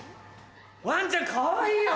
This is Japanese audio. ワンちゃんかわいいよな！